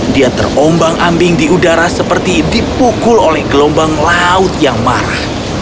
dia terombang ambing di udara seperti dipukul oleh gelombang laut yang marah